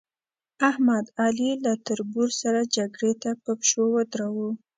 احمد؛ علي له تربرو سره جګړې ته په پشو ودراوو.